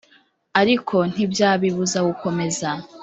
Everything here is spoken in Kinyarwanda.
ariko ntibyabibuza gukomeza